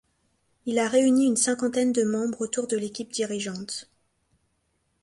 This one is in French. Il a réuni une cinquantaine de membres autour de l'équipe dirigeante.